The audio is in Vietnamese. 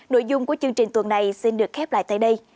nội dung của chương trình tuần này xin được khép lại tại đây